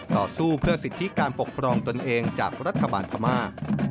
ต่อสู้เพื่อสิทธิการปกครองตนเองจากรัฐบาลพม่า